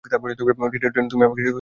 টিনা, তুমি আমাকে চিঠি লিখবে তো?